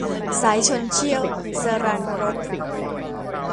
สายชลเชี่ยว - สราญรส